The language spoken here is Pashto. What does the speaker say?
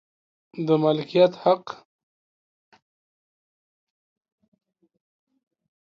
د مالکیت حق